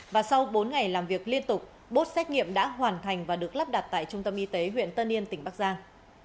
và sau bốn ngày làm việc liên tục bốt xét nghiệm đã hoàn thành và được lắp đặt tại trung tâm y tế huyện tân yên tỉnh bắc giang